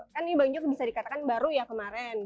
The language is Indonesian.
kan ini bang jok bisa dikatakan baru ya kemarin